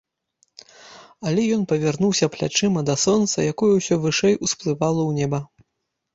Але ён павярнуўся плячыма да сонца, якое ўсё вышэй усплывала ў неба.